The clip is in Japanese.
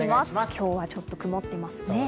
今日はちょっと曇ってますね。